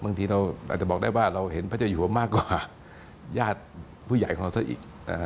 บางทีเราอาจจะบอกได้ว่าเราเห็นพระเจ้าอยู่หัวมากกว่าญาติผู้ใหญ่ของเราซะอีก